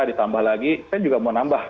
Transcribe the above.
ditambah lagi saya juga mau nambah